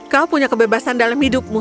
kau punya kebebasan dalam hidupmu